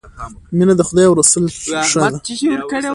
مینه د خدای او رسول ښه ده